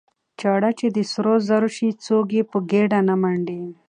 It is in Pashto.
ـ چاړه چې د سرو زرو شي څوک يې په ګېډه نه منډي.